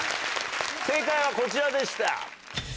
正解はこちらでした。